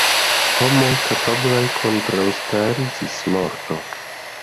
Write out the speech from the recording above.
Homoj kapablaj kontraŭstari ĝis morto.